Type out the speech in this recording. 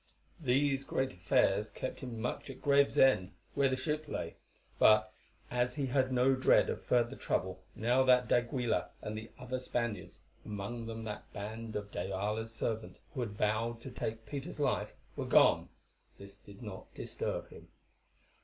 These great affairs kept him much at Gravesend, where the ship lay, but, as he had no dread of further trouble now that d'Aguilar and the other Spaniards, among them that band of de Ayala's servants who had vowed to take Peter's life, were gone, this did not disturb him.